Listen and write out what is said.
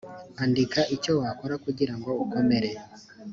andika icyo wakora kugirango ukomere